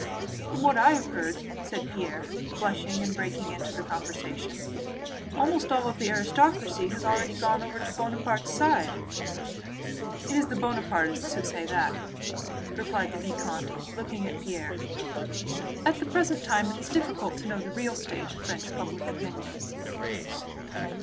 "From what I have heard," said Pierre, blushing and breaking into the conversation, "almost all the aristocracy has already gone over to Bonaparte's side." "It is the Buonapartists who say that," replied the vicomte without looking at Pierre. "At the present time it is difficult to know the real state of French public opinion."